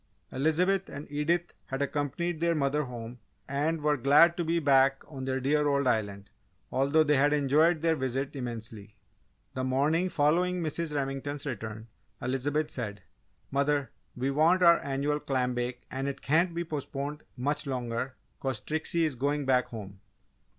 Elizabeth and Edith had accompanied their mother home and were glad to be back on their dear old island, although they had enjoyed their visit immensely. The morning following Mrs. Remington's return, Elizabeth said, "Mother, we want our annual clam bake and it can't be postponed much longer 'cause Trixie is going back home!"